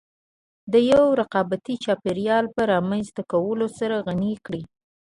د يوه رقابتي چاپېريال په رامنځته کولو سره غني کړې.